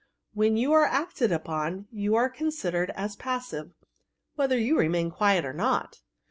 When you are acted upon, you are considered as passive, whether you re«> main quiet or not.